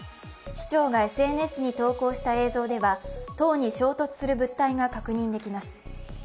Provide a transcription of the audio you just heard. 市長がＳＮＳに投稿した映像では、塔に衝突する物体が確認できます。